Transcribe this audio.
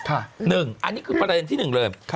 อันนี้คือประเด็นที่๑เลย